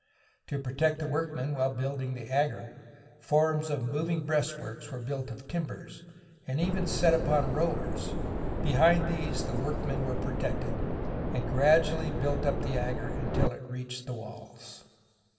To protect the workmen while building the agger, forms of moving breastworks were built of timbers, and even set upon rollers. Behind these the workmen were protected and gradually built up the agger until it reached the walls.